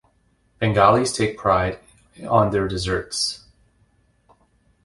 Bengalis take pride on their desserts.